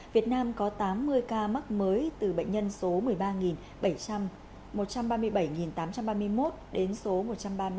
việt nam có tám mươi ca mắc mới từ bệnh nhân số một mươi ba bảy trăm ba mươi bảy tám trăm ba mươi một đến số một trăm ba mươi tám tám trăm sáu mươi hai